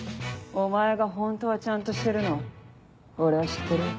お前が本当はちゃんとしてるの俺は知ってるよ。